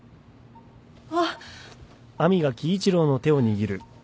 あっ！